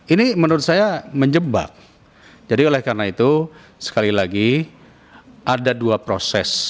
ini menurut saya menjebak jadi oleh karena itu sekali lagi ada dua proses